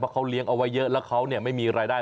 เขาเลี้ยงเอาไว้เยอะแล้วเขาไม่มีรายได้